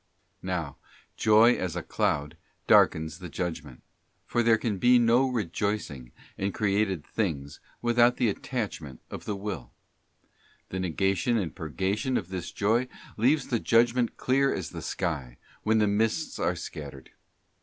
Now Joy as a cloud darkens the judgment, for there can be no rejoicing in created things without the attachment of the Will. The negation and purgation of this joy leaves the e * Ps, bxi. 11. GOD'S WILL THE HIGHEST JOY. 255 judgment clear as the sky when the mists are scattered.